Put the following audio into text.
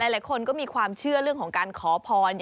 หลายคนก็มีความเชื่อเรื่องของการขอพร